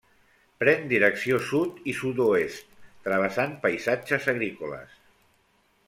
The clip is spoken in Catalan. Pren direcció sud i sud-oest, travessant paisatges agrícoles.